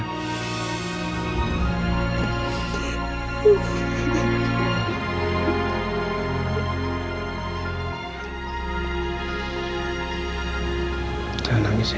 kau itu adalah pembunuh adik saya